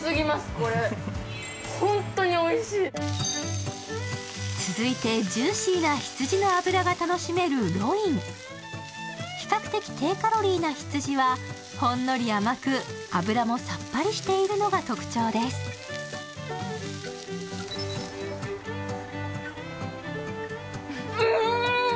これ続いてジューシーな羊の脂が楽しめるロイン比較的低カロリーな羊はほんのり甘く脂もさっぱりしているのが特徴ですうん！